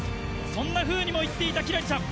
そんなふうにも言っていた輝星ちゃん。